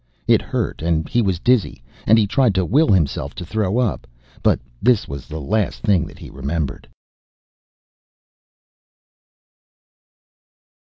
It hurt and he was dizzy, and he tried to will himself to throw up, but this was the last thing that he remembered.